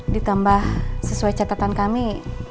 ditambah sesuai catatan kami